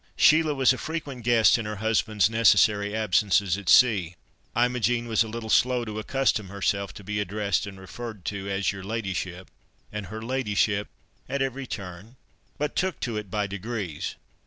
Sheila was a frequent guest in her husband's necessary absences at sea. Imogen was a little slow to accustom herself to be addressed and referred to as "your ladyship" and "her ladyship" at every turn, but took to it by degrees.